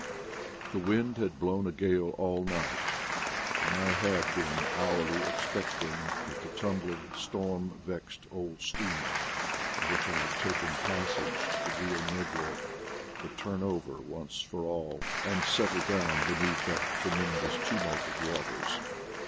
THE wind had blown a gale all night, and I had been hourly expecting that the tumbling, storm vexed old steamer, in which I had taken passage to the Bio Negro, would turn over once for all and settle down beneath that tremendous tumult of waters.